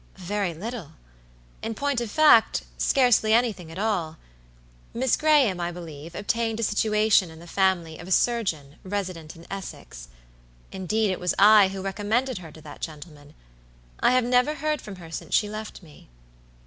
"Very little. In point of fact, scarcely anything at all. Miss Graham, I believe, obtained a situation in the family of a surgeon resident in Essex. Indeed, it was I who recommended her to that gentleman. I have never heard from her since she left me."